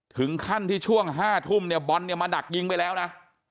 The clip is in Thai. ถึงขั้นที่ช่วง๕ทุ่มเนี่ยบอลเนี่ยมาดักยิงไปแล้วนะ